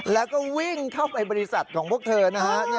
แล้วก็วิ่งเข้าไปบริษัทของพวกเธอนะฮะ